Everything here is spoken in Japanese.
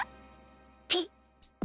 ピッ。